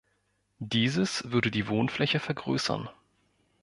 Dieses würde die Wohnfläche vergrößern.